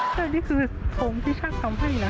แล้วนี่คือผมที่ช่างทำให้นะ